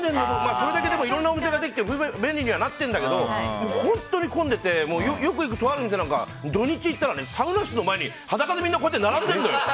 それだけいろんな場所ができて便利にはなっているんだけど本当に混んでて、よく行くとある店なんか土日行ったらサウナ室の前に裸で並んでるのよ。